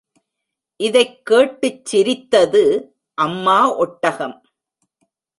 இதைக் கேட்டுச் சிரித்தது அம்மா ஒட்டகம்.